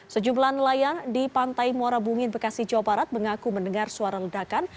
sejumlah nelayan di pantai muarabungin bekasi jawa barat mengaku mendengar suara ledakan